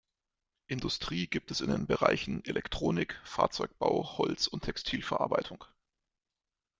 Industrie gibt es in den Bereichen Elektronik, Fahrzeugbau, Holz- und Textilverarbeitung.